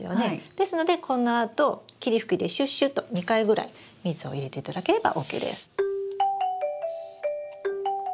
ですのでこのあと霧吹きでシュッシュと２回ぐらい水を入れていただければＯＫです。